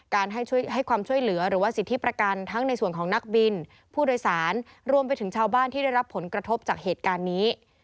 ให้ความช่วยเหลือหรือว่าสิทธิประกันทั้งในส่วนของนักบินผู้โดยสารรวมไปถึงชาวบ้านที่ได้รับผลกระทบจากเหตุการณ์นี้